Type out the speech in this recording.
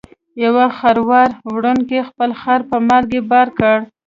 یو خروار وړونکي خپل خر په مالګې بار کړ.